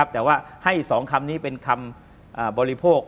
แต่ว่าให้๒คำนี้เป็นคำบริโภค